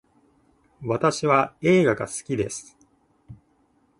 私は映画が好きです